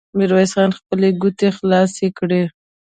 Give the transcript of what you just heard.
ميرويس خان خپلې ګوتې خلاصې کړې.